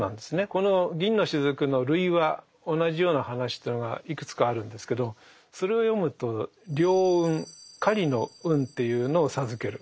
この「銀の滴」の類話同じような話というのがいくつかあるんですけどそれを読むと猟運狩りの運というのを授ける。